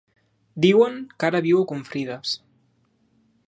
Diuen que ara viu a Confrides.